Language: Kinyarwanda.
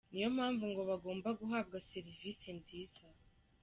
Niyo mpamvu ngo bagomba guhabwa serivisi nziza.